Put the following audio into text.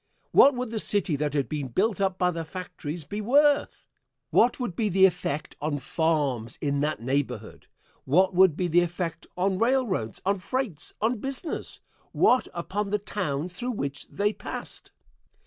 What would the city that had been built up by the factories be worth? What would be the effect on farms in that neighborhood? What would be the effect on railroads, on freights, on business what upon the towns through which they passed?